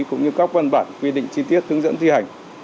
cũng như các văn bản quy định chi tiết hướng dẫn thi hành